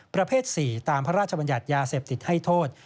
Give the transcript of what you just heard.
ประเภท๔ตามพระราชบัญญัติยาเสพติดให้โทษ